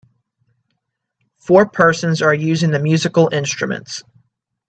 Four persons are using the musical instruments.